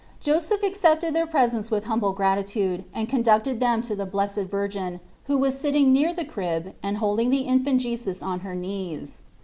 Joseph accepted their presents with humble gratitude, and conducted them to the Blessed Virgin, who was sitting near the crib and holding the Infant Jesus on her knees.